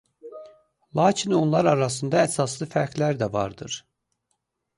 Lakin onlar arasında əsaslı fərqlər də vardır.